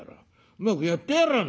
うまくやってやらぁ